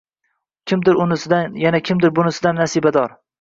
Kimdir unisidan, yana kimdir bunisidan nasibador.